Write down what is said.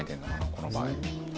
この場合。